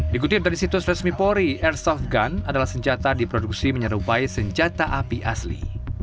dikutip dari situs resmi polri airsoft gun adalah senjata diproduksi menyerupai senjata api asli